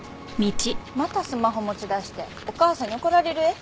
またスマホ持ち出しておかあさんに怒られるえ。